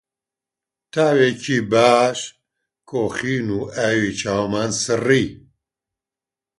تاوێکی باش کۆخین و ئاوی چاومان سڕی